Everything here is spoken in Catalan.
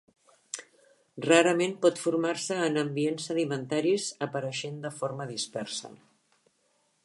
Rarament pot formar-se en ambients sedimentaris apareixent de forma dispersa.